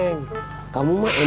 emosian marah marah terus